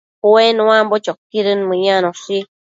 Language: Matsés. Ue nuambo choquidën mëyanoshi